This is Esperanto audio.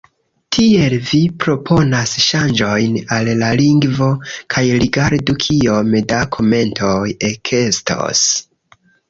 Tiel, vi proponas ŝanĝojn al la lingvo, kaj rigardu kiom da komentoj ekestos.